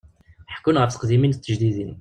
Ḥekkun ɣef teqdimin d tejdidin.